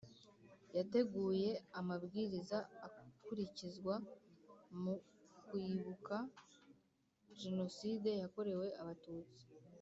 yateguye amabwiriza akurikizwa mu kwibuka Jenoside yakorewe Abatutsi